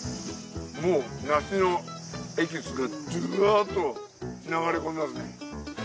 もう梨のエキスがジュワっと流れ込みますね。